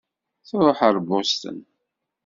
Tṛuḥ ar Boston.